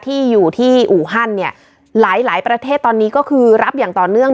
ที่อยู่ที่อู่ฮั่นเนี่ยหลายหลายประเทศตอนนี้ก็คือรับอย่างต่อเนื่อง